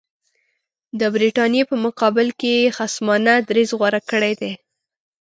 د برټانیې په مقابل کې یې خصمانه دریځ غوره کړی دی.